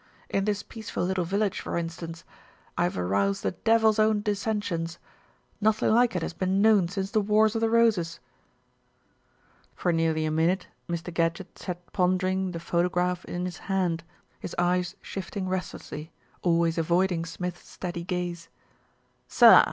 In this peaceful little village, for instance, I've aroused the devil's own dis sensions. Nothing like it has "been known since the Wars of the Roses." For nearly a minute Mr. Gadgett sat pondering, the photograph in his hand, his eyes shifting restlessly, always avoiding Smith's steady gaze. "Sir!"